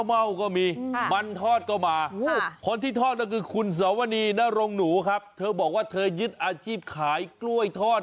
เป็นข้าวเม่าทอด